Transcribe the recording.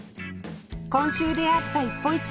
今週出会った一歩一会